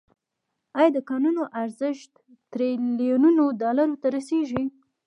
آیا د کانونو ارزښت تریلیونونو ډالرو ته رسیږي؟